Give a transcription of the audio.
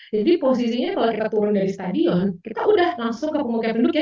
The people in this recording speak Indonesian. jadi posisinya kalau kita turun dari stadion kita sudah langsung ke pemukiman penduduk